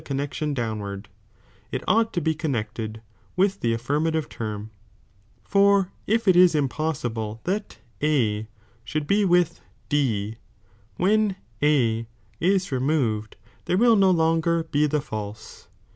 connexion downward, (it ought t« be connected) ' with the affirmatire term ; tor if it is impossible that A should be with D, when A is removed longer he the false.